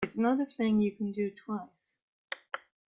It's not a thing you can do twice.